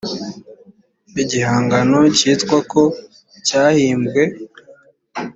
igihangano cyitwa ko cyahimbwe